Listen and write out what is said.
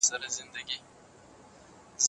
دا اثر د وخت په تېرېدو سره نور هم مشهوره کېږي.